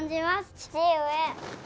父上。